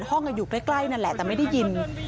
ห้องอยู่ใกล้แต่ไม่ได้ยิน